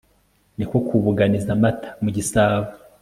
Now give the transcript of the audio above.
niko kubuganiza amata mu gisabo